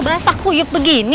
berasa kuyuk begini